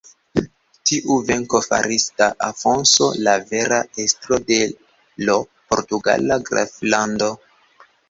Tiu venko faris de Afonso la vera estro de l' portugala graflando.